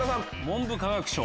文部科学省。